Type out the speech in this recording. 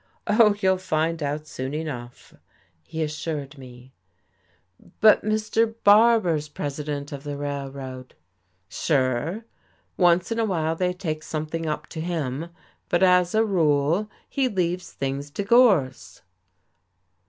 "Oh, you'll find out soon enough," he assured me. "But Mr. Barbour's president of the Railroad." "Sure. Once in a while they take something up to him, but as a rule he leaves things to Gorse."